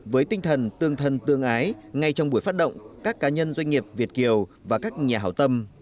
với tinh thần tương thân tương ái ngay trong buổi phát động các cá nhân doanh nghiệp việt kiều và các nhà hảo tâm